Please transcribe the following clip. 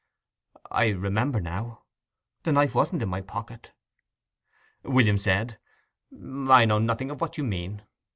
"I remember now—the knife wasn't in my pocket." William said, "I know nothing of what you mean."